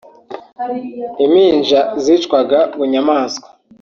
impinja zicwaga bunyamaswa